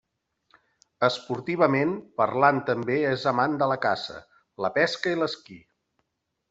Esportivament parlant també és amant de la caça, la pesca i l'esquí.